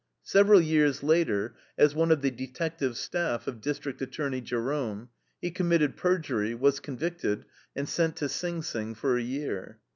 Several years later, as one of the detective staff of District Attorney Jerome, he committed perjury, was convicted, and sent to Sing Sing for a year.